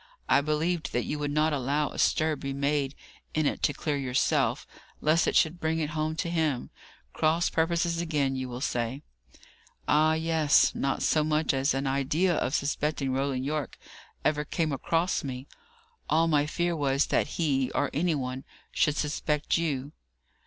I believed that you would not allow a stir be made in it to clear yourself, lest it should bring it home to him. Cross purposes again, you will say." "Ah, yes. Not so much as an idea of suspecting Roland Yorke ever came across me. All my fear was, that he, or any one, should suspect you."